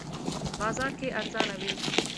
بازار کې ارزانه وی